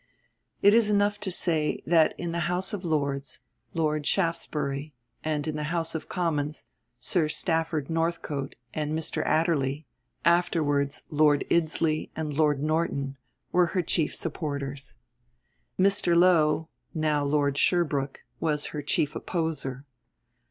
It is enough here to say that in the House of Lords, Lord Shaftesbury, and in the House of Commons, Sir Stafford Northcote and Mr. Adderley (afterwards Lord Iddesleigh and Lord Norton), were her chief supporters. Mr. Lowe (now Lord Sherbrooke) was her chief opposer.